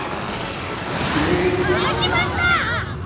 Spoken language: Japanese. しまった！